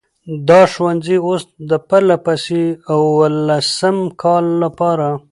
دا ښوونځی اوس د پرلهپسې اوولسم کال لپاره،